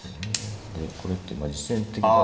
でこれってまあ実戦的。